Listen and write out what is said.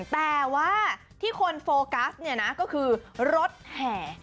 แต่ว่าที่คนโฟกัสก็คือรถแห่